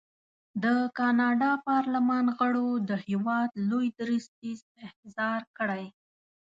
د کاناډا پارلمان غړو د هېواد لوی درستیز احضار کړی.